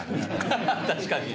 確かに。